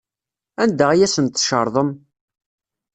Anda ay asent-tcerḍem?